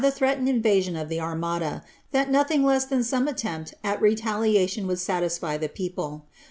105 ifealened invasion of the Armada, that nothing less than some attempt retaliation would satisfy the people.